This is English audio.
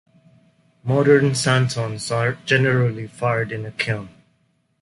Modern "santons" are generally fired in a kiln.